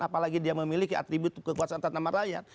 apalagi dia memiliki atribut kekuasaan tanpa nama rakyat